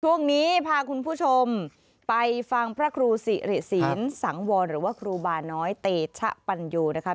ช่วงนี้พาคุณผู้ชมไปฟังพระครูสิริศีลสังวรหรือว่าครูบาน้อยเตชะปัญโยนะคะ